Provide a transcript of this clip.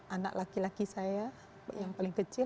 anak laki laki saya yang paling kecil